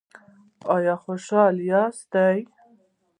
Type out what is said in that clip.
ایا خوشحاله یاست؟